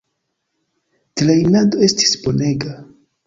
Trejnado estis bonega.